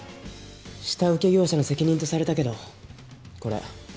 下請け業者の責任とされたけどこれ噂があるよね。